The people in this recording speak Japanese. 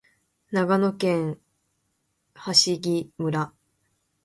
長野県喬木村